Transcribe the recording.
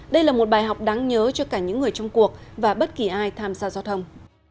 đây là một bài học đáng nhớ cho cả những người trong cuộc và bất kỳ ai tham gia giao thông